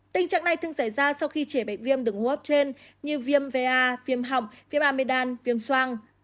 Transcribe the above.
tình trạng này thường xảy ra sau khi trẻ bệnh viêm đứng hô hấp trên như viêm va viêm hỏng viêm amedan viêm soang